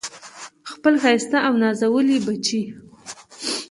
خپل ښایسته او نازولي بچي